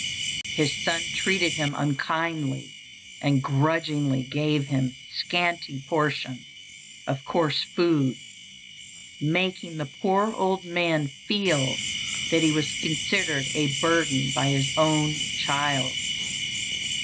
His son treated him unkindly, and grudgingly gave him his scanty portion of coarse food, making the poor old man feel that he was considered a burden by his own child.